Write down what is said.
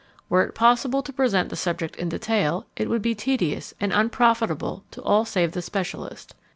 Were it possible to present the subject in detail, it would be tedious and unprofitable to all save the specialist.